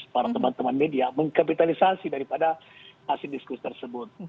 para teman teman media mengkapitalisasi daripada hasil diskusi tersebut